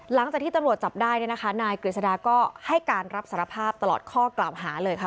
หลังจากที่ตำรวจจับได้เนี่ยนะคะนายกฤษฎาก็ให้การรับสารภาพตลอดข้อกล่าวหาเลยค่ะ